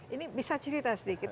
ini bisa cerita sedikit